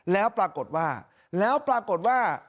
แล้วปรากฏว่าแล้วปรากฏว่า